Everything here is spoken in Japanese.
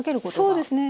そうですね。